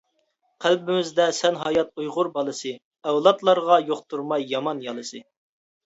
قەلبىمىزدە سەن ھايات ئۇيغۇر بالىسى، ئەۋلادلارغا يۇقتۇرماي يامان يالىسى.